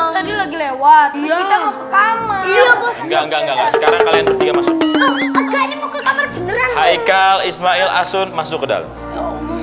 tadi lagi lewat iya enggak enggak enggak enggak enggak ismail asun masuk ke dalam